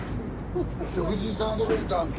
藤井さんはどこにいてはんの？